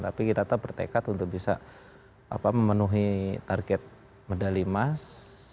tapi kita tetap bertekad untuk bisa memenuhi target medali emas